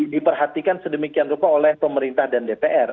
diperhatikan sedemikian rupa oleh pemerintah dan dpr